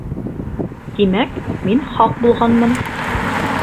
Тимәк, мин хаҡ булғанмын.